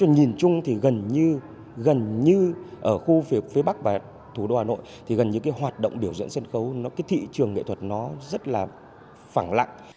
nhìn chung thì gần như ở khu phía bắc và thủ đô hà nội thì gần như hoạt động biểu diễn sân khấu thị trường nghệ thuật nó rất là phẳng lặng